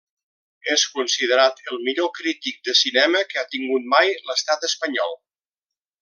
És considerat el millor crític de cinema que ha tingut mai l'Estat espanyol.